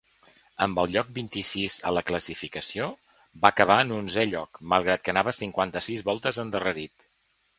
Amb el lloc vint-i-sis a la classificació, va acabar en onzè lloc malgrat que anava cinquanta-sis voltes endarrerit.